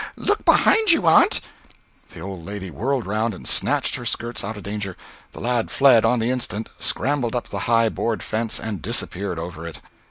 Look behind you, aunt!" The old lady whirled round, and snatched her skirts out of danger. The lad fled on the instant, scrambled up the high board fence, and disappeared over it.